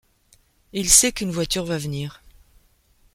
Il sait qu'une voiture va venir.